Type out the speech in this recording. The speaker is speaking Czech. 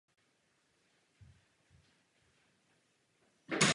A viděli jsme, jaký to mělo výsledek.